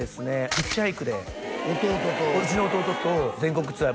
ヒッチハイクで弟とうちの弟と全国ツアー